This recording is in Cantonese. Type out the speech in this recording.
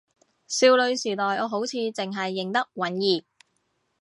少女時代我好似淨係認得允兒